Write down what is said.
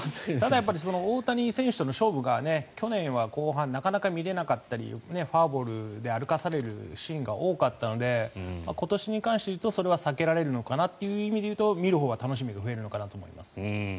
ただ、大谷選手との勝負が去年は後半はなかなか見られなかったりフォアボールで歩かされるシーンが多かったので今年に関して言うとそれは避けられるのかなという意味で言うと見るほうは楽しみが増えるのかなと思います。